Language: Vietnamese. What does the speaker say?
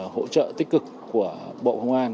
hỗ trợ tích cực của bộ công an